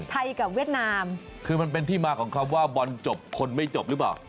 กับเวียดนามคือมันเป็นที่มาของคำว่าบอลจบคนไม่จบหรือเปล่า